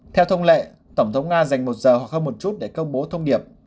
theo thông lệ tổng thống nga dành một giờ hoặc hơn một chút để công bố thông điệp